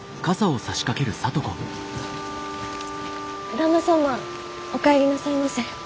旦那様お帰りなさいませ。